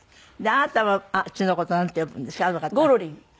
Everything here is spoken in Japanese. あなたはあっちの事をなんて呼ぶんですか？